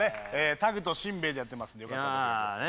タグと真べぇでやってますんでよかったら見てくださいね